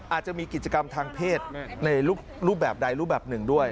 อาจจะมีกิจกรรมทางเพศในรูปแบบใดรูปแบบหนึ่งด้วย